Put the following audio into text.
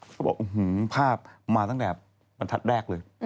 เขาบอกฮือภาพมาตั้งแต่วันทัดแรกเลย